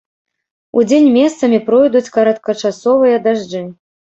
Удзень месцамі пройдуць кароткачасовыя дажджы.